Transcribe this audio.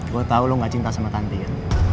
gue tau lu gak cinta sama tanti ya